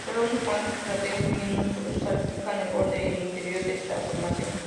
Solo unos cuantos cráteres minúsculos salpican el borde y el interior de esta formación.